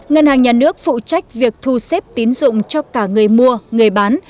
ngân hàng nhà nước phụ trách việc thu xếp tín dụng cho cả người mua người bán